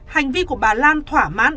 hành vi của bà lan thỏa mãn